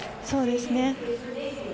そうですね。